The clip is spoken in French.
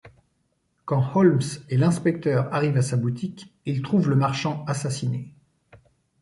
Quand Holmes et l'inspecteur arrivent à sa boutique, ils trouvent le marchand assassiné.